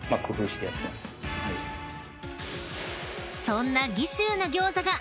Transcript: ［そんな「岐州」の餃子が］